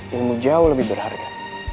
ilmu jauh lebih berharga